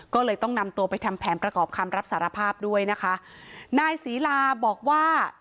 ก็เลยต้องนำตัวไปทำแผนประกอบคำรับสารภาพด้วยนะคะนายศรีลาบอกว่า